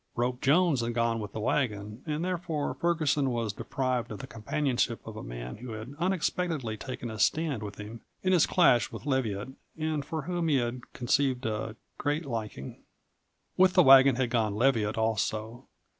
Rope Jones had gone with the wagon, and therefore Ferguson was deprived of the companionship of a man who had unexpectedly taken a stand with him in his clash with Leviatt and for whom he had conceived a great liking. With the wagon had gone Leviatt also.